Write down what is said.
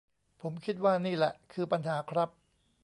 ผมคิดว่านี่แหละคือปัญหาครับ